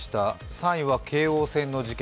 ３位は京王線の事件。